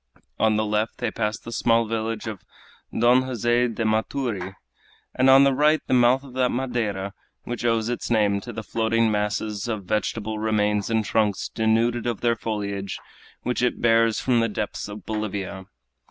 On the left they passed the small village of Don Jose de Maturi, and on the right the mouth of that Madeira which owes its name to the floating masses of vegetable remains and trunks denuded of their foliage which it bears from the depths of Bolivia.